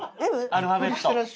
アルファベット。